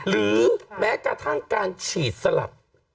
หรือแม้กระทั่งการฉีดสลับ